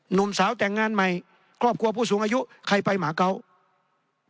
หนุ่มสาวแต่งงานใหม่ครอบครัวผู้สูงอายุใครไปหมาเกาะ